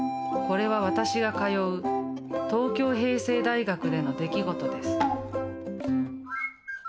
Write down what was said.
これは私が通う東京平成大学での出来事です。